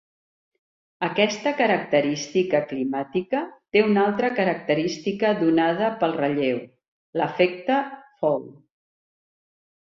Aquesta característica climàtica té una altra característica donada pel relleu, l'efecte foehn.